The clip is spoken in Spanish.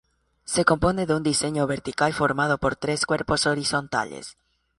Se compone de un diseño vertical formado por tres cuerpos horizontales.